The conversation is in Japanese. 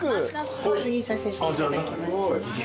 おつぎさせていただきます。